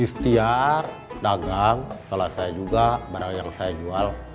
istiar dagang selesai juga barang yang saya jual